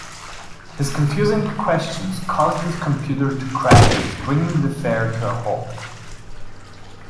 His confusing questions cause this computer to crash, bringing the fair to a halt.